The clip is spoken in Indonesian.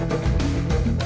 jangan lupa kgw